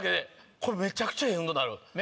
これめちゃくちゃええ運動になる。